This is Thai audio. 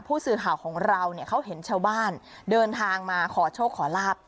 ผู้สื่อข่าวของเราเนี่ยเขาเห็นชาวบ้านเดินทางมาขอโชคขอลาบ